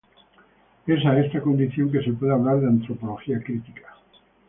Es a esta condición que se puede hablar de antropología crítica.